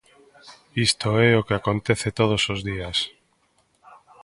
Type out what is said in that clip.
Isto é o que acontece todos os días.